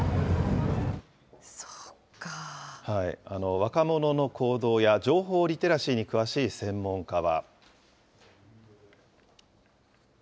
若者の行動や情報リテラシーに詳しい専門家は。